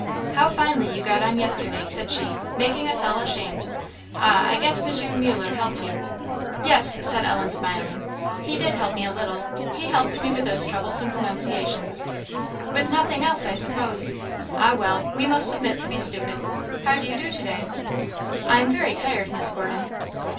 "How finely you got on yesterday," said she, "making us all ashamed. Ah, I guess M. Muller helped you." "Yes," said Ellen, smiling, "he did help me a little; he helped me with those troublesome pronunciations." "With nothing else, I suppose! Ah, well, we must submit to be stupid. How do you do today?" "I am very tired, Miss Gordon."